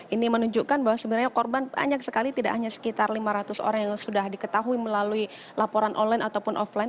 ini menunjukkan bahwa sebenarnya korban banyak sekali tidak hanya sekitar lima ratus orang yang sudah diketahui melalui laporan online ataupun offline